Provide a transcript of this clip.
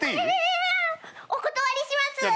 あぁお断りします。